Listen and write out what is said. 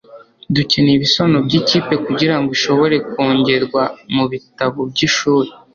Dukeneye ibisobanuro byikipe kugirango ishobore kongerwa mubitabo byishuri